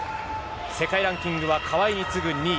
世界ランキングは川井に次ぐ２位。